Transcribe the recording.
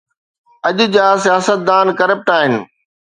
اڄ جا سياستدان ڪرپٽ آهن